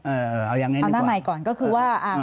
เออเอาอย่างงี้หนึ่งเอาหน้าใหม่ก่อนก็คือว่าอ่า